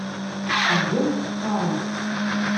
Tezgamt teqqaremt.